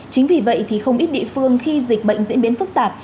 chính vì vậy thì không ít địa phương khi dịch bệnh diễn biến phức tạp